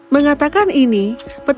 mengatakan ini petani masuk ke dalam kamarnya